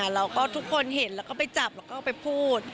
เราก็ทุกคนเห็นเราก็ไปจับเราก็ไปพูด